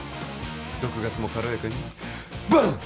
毒ガスも軽やかにバンッ！